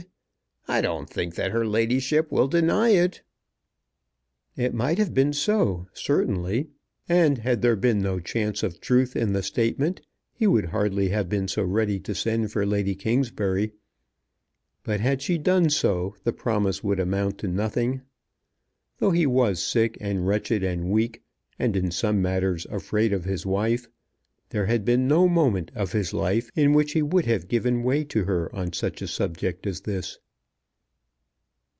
I don't think that her ladyship will deny it." It might have been so, certainly; and had there been no chance of truth in the statement he would hardly have been so ready to send for Lady Kingsbury. But had she done so the promise would amount to nothing. Though he was sick and wretched and weak, and in some matters afraid of his wife, there had been no moment of his life in which he would have given way to her on such a subject as this.